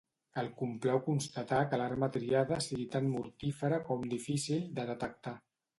El complau constatar que l'arma triada sigui tan mortífera com difícil de detectar.